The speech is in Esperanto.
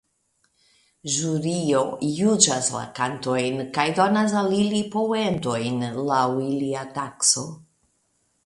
Ĵurio juĝas la kantojn kaj donas al ili poentojn laŭ ilia takso.